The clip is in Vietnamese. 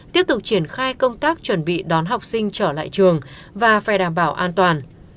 tiếp tục triển khai công tác chuẩn bị đón học sinh trở lại trường và phải đảm bảo an toàn